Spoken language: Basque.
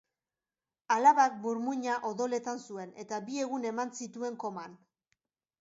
Alabak burmuina odoletan zuen eta bi egun eman zituen koman.